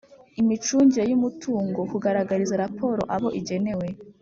imicungire y'umutungo, kugaragariza raporo abo igenewe,